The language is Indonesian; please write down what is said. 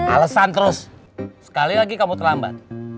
alesan terus sekali lagi kamu terlambat